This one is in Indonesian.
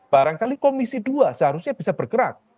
barangkali komisi dua seharusnya bisa bergerak